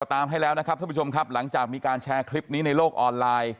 ตามให้แล้วนะครับท่านผู้ชมครับหลังจากมีการแชร์คลิปนี้ในโลกออนไลน์